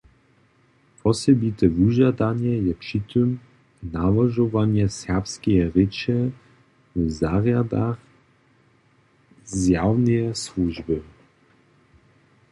Wosebite wužadanje je při tym nałožowanje serbskeje rěče w zarjadach zjawneje słužby.